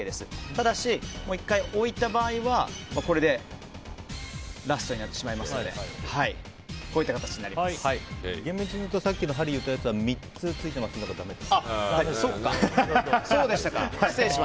ただし１回置いた場合は、これでラストになってしまいますので現実に言うとさっきのハリーのやつは３つついていますのでそうでしたか！